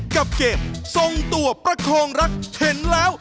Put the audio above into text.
กับเกมทรงตัวประคองรักเห็นแล้ว